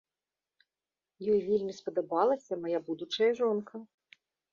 Ёй вельмі спадабалася мая будучая жонка.